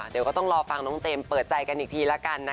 เดี๋ยวก็ต้องรอฟังน้องเจมส์เปิดใจกันอีกทีละกันนะคะ